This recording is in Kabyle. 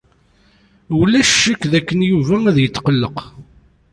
Ulac ccek dakken Yuba ad yetqelleq.